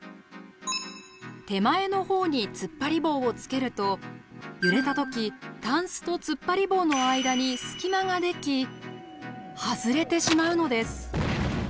手前の方につっぱり棒をつけると揺れた時タンスとつっぱり棒の間に隙間ができ外れてしまうのです。